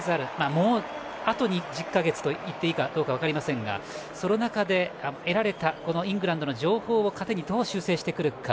もう、あと１０か月と言っていいかどうか分かりませんがその中で、得られたイングランドの情報を糧にどう修正してくるか。